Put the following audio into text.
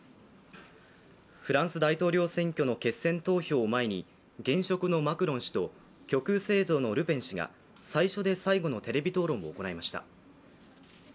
フランス大統領選挙の決選投票を前に現職のマクロン氏と極右政党のルペン氏が最初で最後のテレビ討論を行いました。